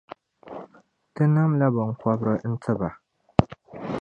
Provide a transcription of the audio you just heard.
Ti namla binkɔbiri n-ti ba.